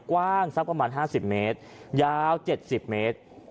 กว้างสักประมาณ๕๐เมตรยาว๗๐เมตร